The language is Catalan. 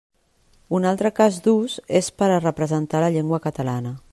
Un altre cas d'ús és per a representar la llengua catalana.